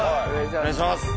お願いします。